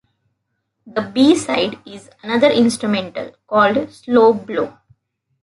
The B-side is another instrumental, called "Slowblow".